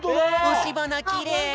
おしばなきれい！